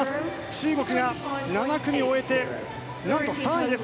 中国が７組を終えて何と３位です。